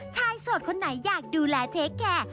โสดคนไหนอยากดูแลเทคแคร์